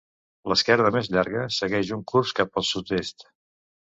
L'esquerda més llarga segueix un curs cap al sud-est.